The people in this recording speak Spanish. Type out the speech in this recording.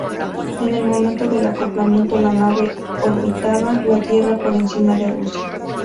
En el momento del acoplamiento, la nave orbitaba la Tierra por encima de Rusia.